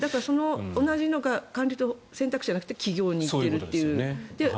同じのが官僚という選択肢じゃなくて起業に行っているということです。